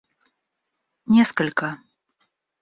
несколько